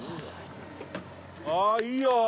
あいいよ！